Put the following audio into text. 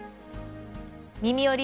「みみより！